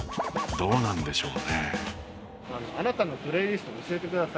どうなんでしょうね？